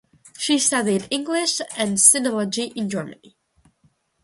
She studied English and sinology in Germany.